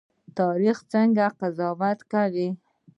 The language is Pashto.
تاریخ څنګه قضاوت کوي؟